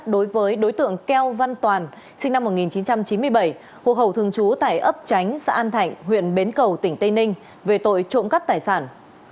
đối với đối tượng keo văn toàn sinh năm một nghìn chín trăm chín mươi bảy hộ khẩu thường trú tại ấp tránh xã an thạnh huyện bến cầu tỉnh tây ninh về tội trộm cắp tài sản